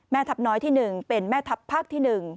ทัพน้อยที่๑เป็นแม่ทัพภาคที่๑